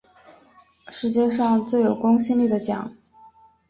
世界上最有公信力的奖